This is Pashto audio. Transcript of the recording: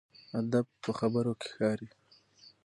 ادب په خبرو کې ښکاري.